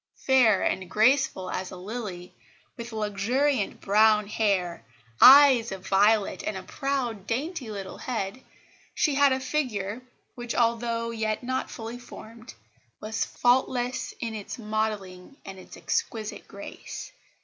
Fair and graceful as a lily, with luxuriant brown hair, eyes of violet, and a proud, dainty little head, she had a figure which, although yet not fully formed, was faultless in its modelling and its exquisite grace.